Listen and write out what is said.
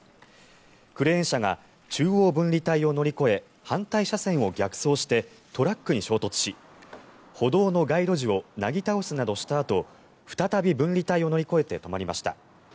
クレーン車が中央分離帯を乗り越え反対車線を逆走してトラックに衝突し歩道の街路樹をなぎ倒すなどしたあと再び分離帯を乗り越えて止まりました。